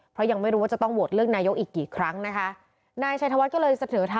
เพราะยังไม่รู้ว่าจะต้องโหวตเลือกนายกอีกกี่ครั้งนะคะ